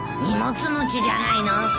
荷物持ちじゃないの？